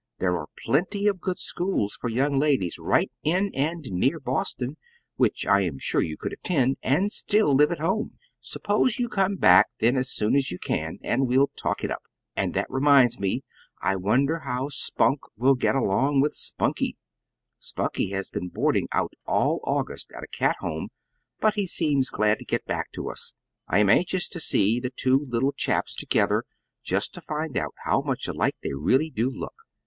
There are plenty of good schools for young ladies right in and near Boston, which I am sure you could attend, and still live at home. Suppose you come back then as soon as you can, and we'll talk it up. And that reminds me, I wonder how Spunk will get along with Spunkie. Spunkie has been boarding out all August at a cat home, but he seems glad to get back to us. I am anxious to see the two little chaps together, just to find out how much alike they really do look."